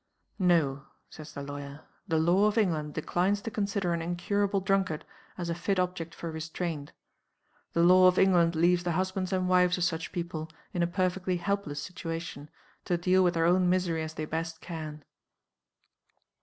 'No,' says the lawyer. 'The law of England declines to consider an incurable drunkard as a fit object for restraint, the law of England leaves the husbands and wives of such people in a perfectly helpless situation, to deal with their own misery as they best can.